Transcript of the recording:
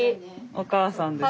おかあさんです。